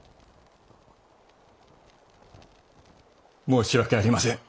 申し訳ありません。